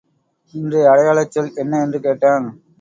இன்றைய அடையாளச் சொல் என்ன? என்று கேட்டான்.